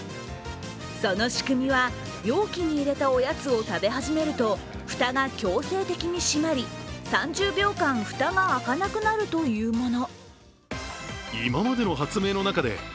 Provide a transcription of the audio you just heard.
その仕組みは容器に入れたおやつを食べ始めると蓋が強制的に閉まり、３０秒間、蓋が開かなくなるというもの。